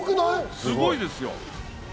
すごいですよ。